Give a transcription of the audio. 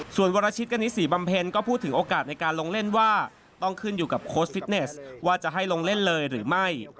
ส่วนวรชิตกณิตศรีบำเพ็ญก็พูดถึงโอกาสในการลงเล่นว่าต้องขึ้นอยู่กับโค้ชฟิตเนสว่าจะให้ลงเล่นเลยหรือไม่